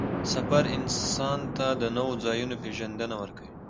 سفر انسان ته د نوو ځایونو پېژندنه ورکوي